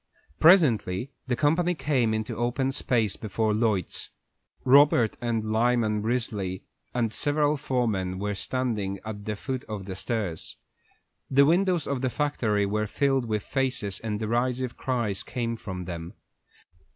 Presently the company came into the open space before Lloyd's. Robert and Lyman Risley and several foremen were standing at the foot of the stairs. The windows of the factory were filled with faces, and derisive cries came from them.